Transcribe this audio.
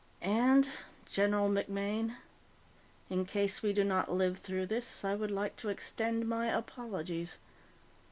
"And, General MacMaine, in case we do not live through this, I would like to extend my apologies.